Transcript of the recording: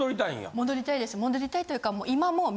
戻りたいというか。